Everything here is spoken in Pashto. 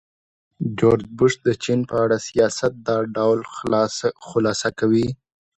جورج بوش د چین په اړه سیاست دا ډول خلاصه کوي.